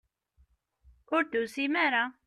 Ur d-tusim ara.